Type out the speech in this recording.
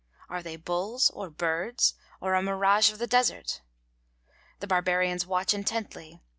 Are they bulls or birds, or a mirage of the desert? The Barbarians watch intently.